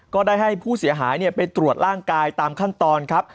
ก็ได้ให้ผู้เสียหายไปตรวจร่างกายตามขั้นตอนครับ